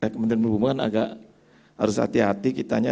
kementerian perhubungan agak harus hati hati kitanya